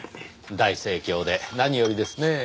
大盛況で何よりですねぇ。